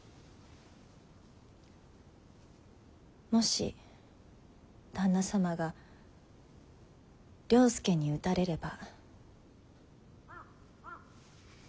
もし旦那様が了助に討たれれば。